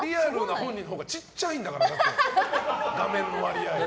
本人のほうが小さいんだから画面の割合が。